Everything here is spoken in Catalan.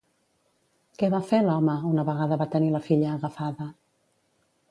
Què va fer, l'home, una vegada va tenir la filla agafada?